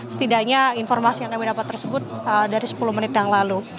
setidaknya informasi yang kami dapat tersebut dari sepuluh menit yang lalu